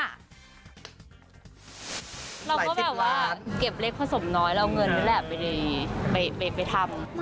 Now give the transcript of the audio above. เราก็แบบว่าเก็บเล็กผสมน้อยแล้วเงินด้วยแหละไปทำ